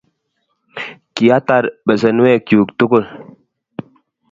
kiatar besenwek chu tugul.